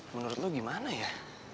menurut lu gimana ya